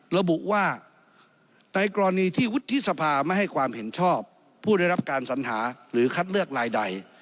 ระบุว่าในกรณีที่วุฒิสภาไม่ให้ความเห็นชอบผู้ได้รับการสัญหาหรือคัดเลือกรายใด